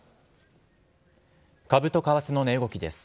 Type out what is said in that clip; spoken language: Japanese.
株と為替の値動きです。